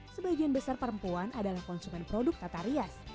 sebagian besar perempuan adalah konsumen produk tata rias